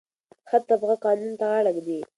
ښه تبعه قانون ته غاړه ږدي.